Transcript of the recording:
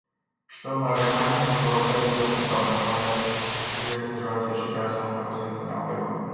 მჯდომარე ხარი მეთაურობდა ინდიელთა ტომებს, რომლებიც რეზერვაციაში გადასახლებას ეწინააღმდეგებოდნენ.